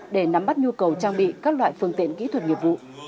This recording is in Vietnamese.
để nắm bắt nhu cầu trang bị các loại phương tiện kỹ thuật nghiệp vụ